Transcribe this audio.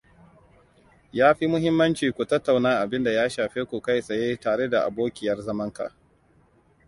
Yafi muhimmanci ku tattauna abinda ya shafe ku kai tsaye tare da abokiyar zamanka.